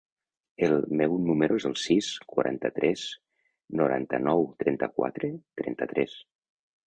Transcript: El meu número es el sis, quaranta-tres, noranta-nou, trenta-quatre, trenta-tres.